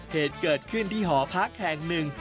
เหตุเกิดขึ้นที่หอพักแห่งหนึ่ง